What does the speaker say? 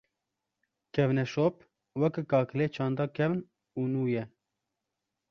Kevneşop, weke kakilê çanda kevn û nû ye